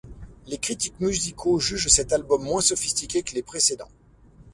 Les critiques musicaux jugent cet album moins sophistiqué que les précédents.